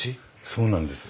そうなんです。